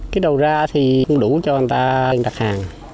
cái đầu ra thì không đủ cho người ta đặt hàng